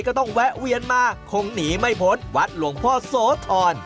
ก็ต้องแวะเวียนมาคงหนีไม่ผลวัดหลวงพ่อโสธร